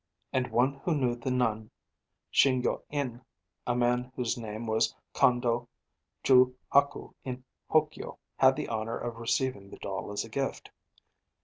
'And one who knew the Nun Shingyo in a man whose name was Kondo ju haku in Hokyo had the honour of receiving the doll as a gift.